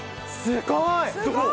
すごい！